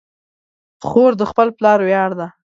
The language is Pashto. خور د خپل پلار ویاړ ده.